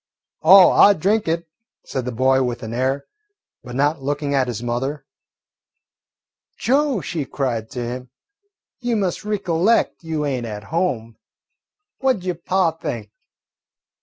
"Oh, I drink it," said the boy with an air, but not looking at his mother. "Joe," she cried to him, "you must ricollect you ain't at home. What 'ud yo' pa think?"